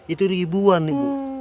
itu ribuan bu